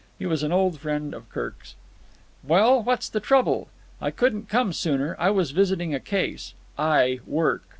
He was an old friend of Kirk's. "Well, what's the trouble? I couldn't come sooner. I was visiting a case. I work."